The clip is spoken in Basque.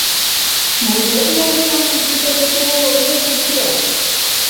Gure herrialdean utziko ditugu horiek guztiak?